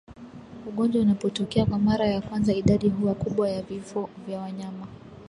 Ugonjwa unapotokea kwa mara ya kwanza idadi huwa kubwa ya vifo vya wanyama